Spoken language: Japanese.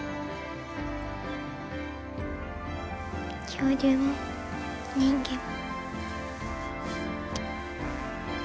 恐竜も人間も。